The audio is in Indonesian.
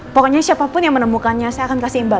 pokoknya siapapun yang menemukannya saya akan kasih imbal